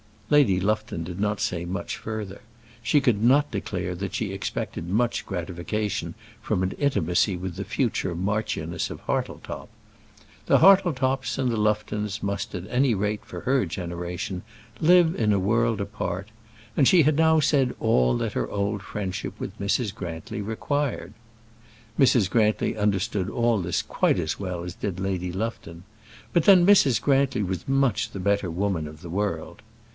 Lady Lufton did not say much further. She could not declare that she expected much gratification from an intimacy with the future Marchioness of Hartletop. The Hartletops and Luftons must, at any rate for her generation, live in a world apart, and she had now said all that her old friendship with Mrs. Grantly required. Mrs. Grantly understood all this quite as well as did Lady Lufton; but then Mrs. Grantly was much the better woman of the world.